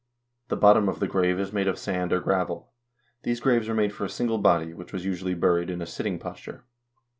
The bottom of the grave is made of sand or gravel. These graves are made for a single body, which was usually buried in a sit ting posture.